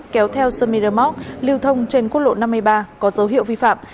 kéo theo sơ miramont lưu thông trên quốc lộ năm mươi ba có dấu hiệu vi phạm